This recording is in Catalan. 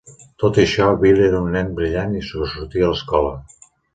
Tot i això, Bill era un nen brillant i sobresortia a l'escola.